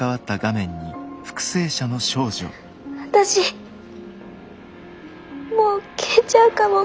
「私もう消えちゃうかも」。